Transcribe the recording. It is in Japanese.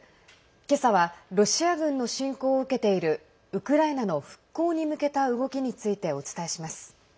今朝はロシア軍の侵攻を受けているウクライナの復興に向けた動きについてお伝えします。